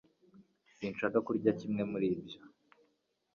Sinshaka kurya kimwe muri ibyo